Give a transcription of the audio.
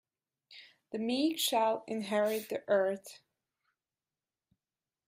The meek shall inherit the earth.